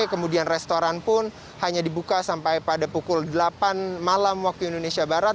kemudian restoran pun hanya dibuka sampai pada pukul delapan malam waktu indonesia barat